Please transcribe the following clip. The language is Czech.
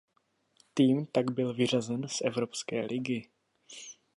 Tým tak byl vyřazen z Evropské ligy.